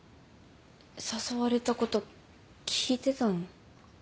誘われたこと聞いてたの？